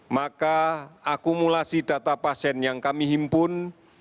maka akumulasi data pasien yang kami himpun